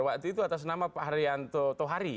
waktu itu atas nama pak haryanto tohari